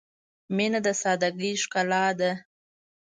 • مینه د سادګۍ ښکلا ده.